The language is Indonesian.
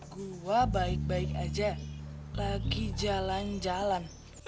gua baik baik aja lagi jalan jalan